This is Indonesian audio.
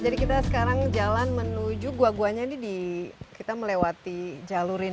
jadi kita sekarang jalan menuju gua guanya ini kita melewati jalur ini ya